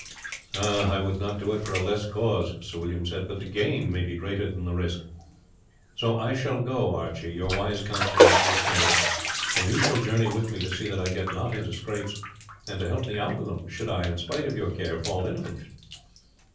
"I would not do it for a less cause," Sir William said; "but the gain may be greater than the risk. So I shall go, Archie, your wise counsel notwithstanding, and you shall journey with me to see that I get not into scrapes, and to help me out of them should I, in spite of your care, fall into them."